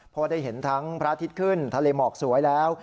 เพราะได้เห็นทั้งพระอาทิตย์ขึ้นทะเลหมอกสวยแล้ว